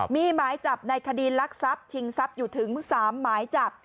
มีหมายจับในคดีลักทรัพย์ชิงทรัพย์อยู่ถึง๓หมายจับ